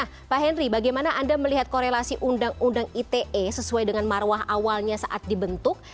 nah pak henry bagaimana anda melihat korelasi undang undang ite sesuai dengan marwah awalnya saat dibentuk